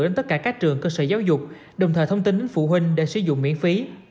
đến tất cả các trường cơ sở giáo dục đồng thời thông tin đến phụ huynh để sử dụng miễn phí